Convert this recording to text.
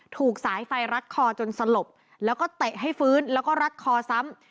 ถูกสายไฟรัดคอจนสลบแล้วก็เตะให้ฟื้นแล้วก็รัดคอซ้ำ